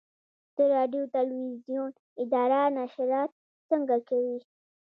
د راډیو تلویزیون اداره نشرات څنګه کوي؟